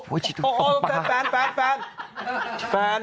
โอ้โหแฟน